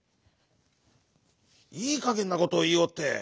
「いいかげんなことをいいおって。